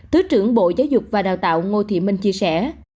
thứ trưởng bộ giáo dục và đào tạo ngô thị minh chia sẻ